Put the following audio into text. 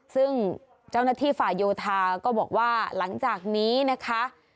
ซึ่งเจ้าหน้าที่ฝ่ายโยธาก็บอกว่าหลังจากนี้นะคะ